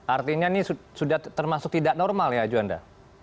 artinya ini sudah termasuk tidak normal ya juanda